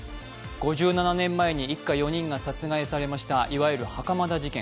５７年前に一家４人が殺害されましたいわゆる袴田事件。